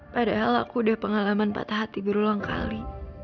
padahal aku udah pengalaman patah hati berulang kali